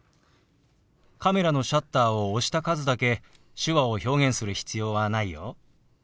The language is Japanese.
カメラのシャッターを押した数だけ手話を表現する必要はないよ。